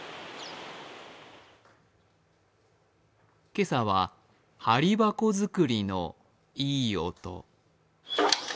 今日は、貼箱作りのいい音。